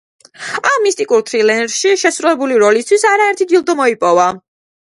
ამ მისტიკურ თრილერში შესრულებული როლისთვის არაერთი ჯილდო მოიპოვა.